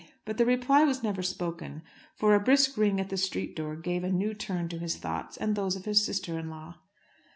But the reply was never spoken; for a brisk ring at the street door gave a new turn to his thoughts and those of his sister in law.